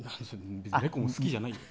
猫も好きじゃないよ。